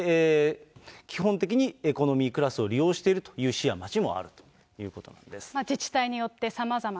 基本的にエコノミークラスを利用しているという市や町もあるとい自治体によって、さまざま。